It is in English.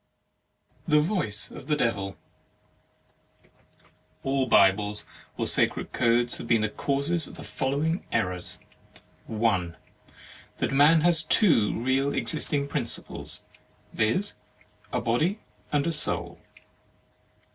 THE MARRIAGE OF THE VOICE OF THE DEVIL All Bibles or sacred codes have been the cause of the following errors :— 1. That man has two real existing principles, viz., a Body and a Soul.